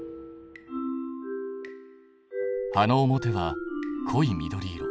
葉の表は濃い緑色。